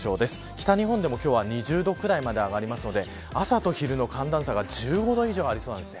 北日本でも今日は２０度ぐらいまで上がるので朝と昼の寒暖差が１５度以上ありそうなんです。